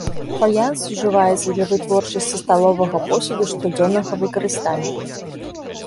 Фаянс ўжываецца для вытворчасці сталовага посуду штодзённага выкарыстання.